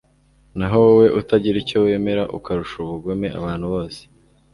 naho wowe utagira icyo wemera, ukarusha ubugome abantu bose